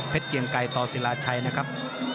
เพชรเกียงไกรตอศิราชัยนะครับ